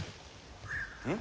うん？